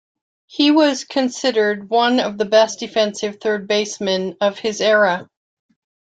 He was considered one of the best defensive third basemen of his era.